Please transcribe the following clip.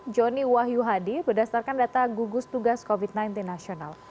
joni wahyu hadi berdasarkan data gugus tugas covid sembilan belas nasional